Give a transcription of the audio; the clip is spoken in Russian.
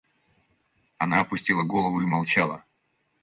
Она опустила голову и молчала.